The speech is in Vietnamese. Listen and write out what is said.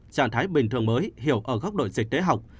trạng thái bình thường mới hiểu ở góc độ dịch tế học